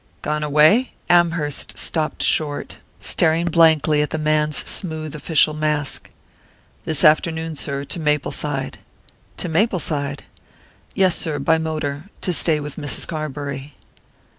"Gone away?" Amherst stopped short, staring blankly at the man's smooth official mask. "This afternoon, sir; to Mapleside." "To Mapleside?" "Yes, sir, by motor to stay with Mrs. Carbury."